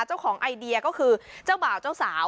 เจ้าของไอเดียก็คือเจ้าบ่าวเจ้าสาว